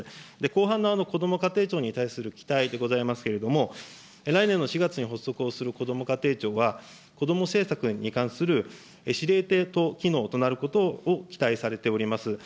後半のこども家庭庁に対する期待でございますけれども、来年の４月に発足をするこども家庭庁は、こども政策に関する司令塔機能となることを期待されております。